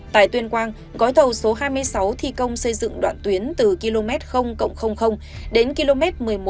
tại tuyên quang gói thầu số hai mươi sáu thi công xây dựng đoạn tuyến từ km đến km một mươi một ba trăm linh